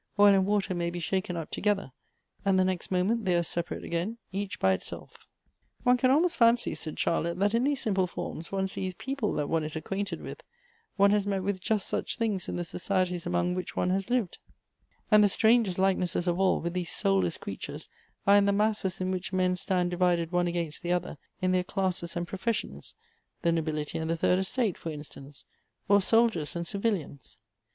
Oil and water may be shaken up together, and the next moment they are separate again, each by itself." " One can almost fancy," said Charlotte, " that in these simple forma one sees people that one is acquainted with ; one has met with just such things in the societies amongst which one has lived; and the strangest likenesses of all with these soulless creatures, are in the masses in which men stand divided one against the other, in their classes and professions ; the nobility and the third estate, for instance, or soldiers and civilians."